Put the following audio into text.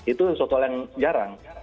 itu seutuh hal yang jarang